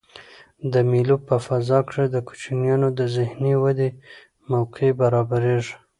د مېلو په فضا کښي د کوچنيانو د ذهني ودي موقع برابریږي.